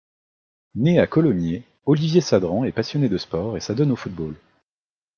Né à Colomiers, Olivier Sadran est passionné de sport et s'adonne au football.